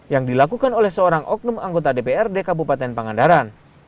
yang dilakukan oleh seorang oknum anggota dprd kabupaten pangandaran